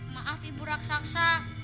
maaf ibu raksasa